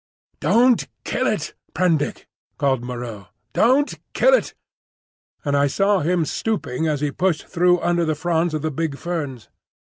"Don't kill it, Prendick!" cried Moreau. "Don't kill it!" and I saw him stooping as he pushed through under the fronds of the big ferns.